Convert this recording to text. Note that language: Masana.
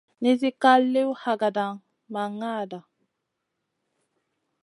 Nizi ka liw hakada ma ŋada.